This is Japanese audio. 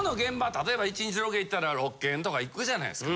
例えば１日ロケ行ったら６軒とか行くじゃないですか。